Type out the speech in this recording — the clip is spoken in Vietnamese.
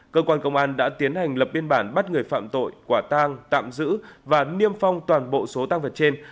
cơ quan công an đã tiến hành lập biên bản bắt người phạm tội quả tang tạm giữ và niêm phong toàn bộ số tăng vật trên